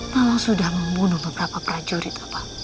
nawang sudah membunuh beberapa prajurit